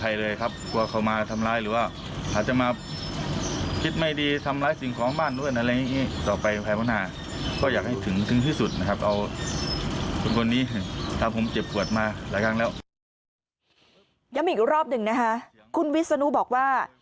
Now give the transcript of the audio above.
ย้ำอีกรอบหนึ่งนะคะคุณวิศนุบอกว่า